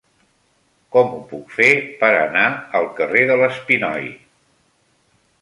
Com ho puc fer per anar al carrer de l'Espinoi?